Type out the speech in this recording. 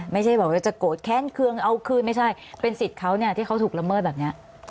ไม่ใช่แบบว่าจะโกรธแค้นเครื่องเอาคืนไม่ใช่เป็นสิทธิ์เขาเนี่ยที่เขาถูกละเมิดแบบนี้